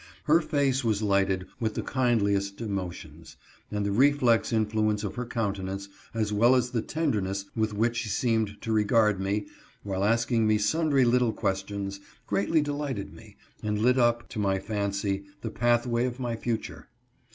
Her face was lighted with the kindliest emo tions ; and the reflex influence of her countenance, as well as the tenderness with which she seemed to regard me, while asking me sundry little questions, greatly de lighted me, and lit up, to my fancy, the pathway of my future.